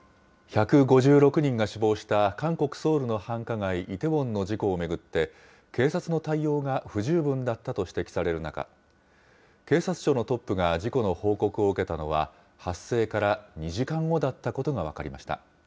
１５６人が死亡した韓国・ソウルの繁華街、イテウォンの事故を巡って、警察の対応が不十分だったと指摘される中、警察庁のトップが事故の報告を受けたのは、発生から２時間後だったことが分かりました。